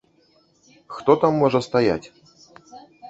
Хто там можа стаяць.